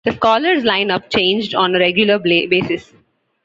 The Scholars' lineup changed on a regular basis.